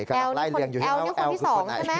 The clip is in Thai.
แอลคือคนที่๒ใช่ไหม